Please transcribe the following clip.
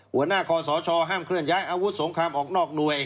หัวหน้าคอสชห้ามเคลื่อนย้ายอาวุธสงครามออกนอกหน่วย